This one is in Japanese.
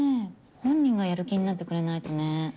本人がやる気になってくれないとね。